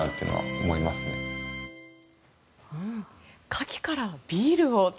カキからビールを。